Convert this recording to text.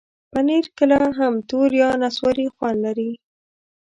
پنېر کله هم تور یا نسواري خوند لري.